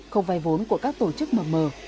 không vay vốn của các tổ chức mập mờ